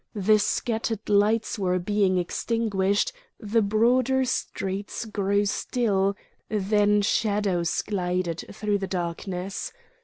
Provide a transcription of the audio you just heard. The scattered lights were being extinguished, the broader streets grew still, then shadows glided through the darkness.